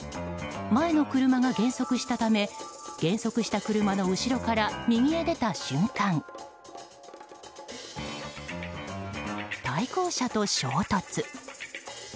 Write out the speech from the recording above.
前の車が減速したため減速した車の後ろから右へ出た瞬間、対向車と衝突。